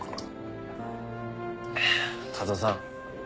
加藤さん。